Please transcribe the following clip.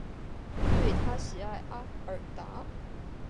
他因为喜爱阿尔达。